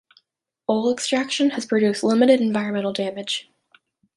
Oil extraction has produced limited environmental damage.